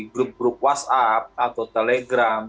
grup grup whatsapp atau telegram